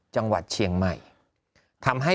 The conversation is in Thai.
จังหวัดเชียงใหม่ทำให้